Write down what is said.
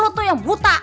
lo tuh yang buta